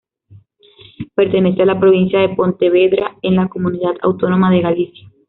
Pertenece a la provincia de Pontevedra, en la comunidad autónoma de Galicia.